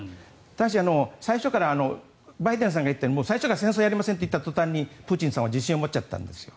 ただし、最初からバイデンさんが言っているように最初から戦争をやりませんと言った途端にプーチンさんは自信を持っちゃったんですよ。